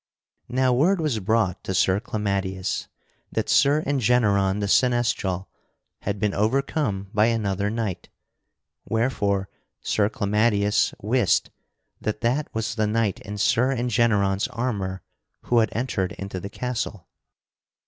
Now word was brought to Sir Clamadius that Sir Engeneron the Seneschal had been overcome by another knight, wherefore Sir Clamadius wist that that was the knight in Sir Engeneron's armor who had entered into the castle.